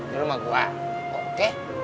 di rumah gue oke